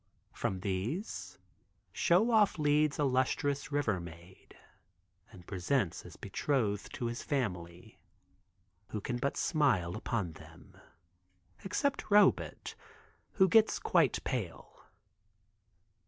From these Show Off leads a lustrous river maid and presents as betrothed to his family, who can but smile upon them, except Robet who gets quite pale.